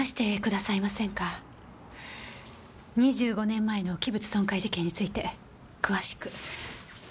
２５年前の器物損壊事件について詳しく。